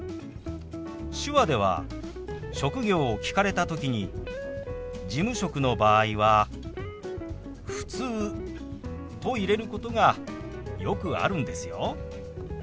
手話では職業を聞かれた時に事務職の場合は「ふつう」と入れることがよくあるんですよ。